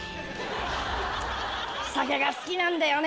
酒が好きなんだよね